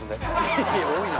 いやいや多いな。